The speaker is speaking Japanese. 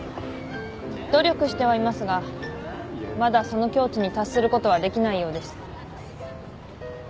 努力してはいますがまだその境地に達することはできないようです。